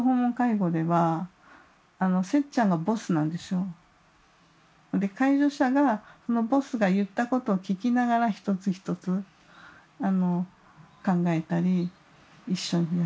で介助者がそのボスが言ったことを聞きながら一つ一つ考えたり一緒にやっていったりする。